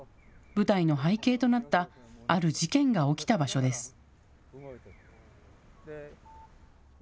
舞台の背景となった、ある事件が起きた場所です。